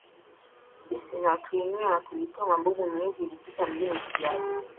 siswi na watuhumiwa wa kulipua mabomu miezi iliyopita mjini kigali